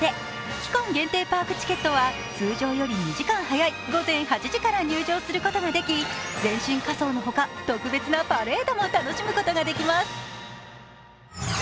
期間限定パークチケットは通常より２時間早い午前８時から入場することができ全身仮装の他、特別なパレードも楽しむことができます。